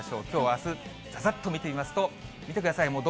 きょうあす、ざざっと見てみますと、見てください。